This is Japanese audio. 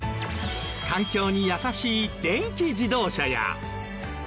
環境に優しい電気自動車や。